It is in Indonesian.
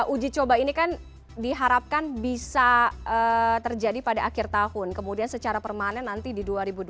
uji coba ini kan diharapkan bisa terjadi pada akhir tahun kemudian secara permanen nanti di dua ribu dua puluh